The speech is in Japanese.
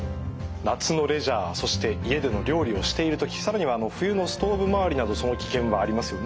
夏のレジャーそして家での料理をしている時更には冬のストーブまわりなどその危険はありますよね。